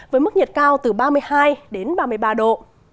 với mức nhiệt cao từ ba mươi hai đến ba mươi ba độ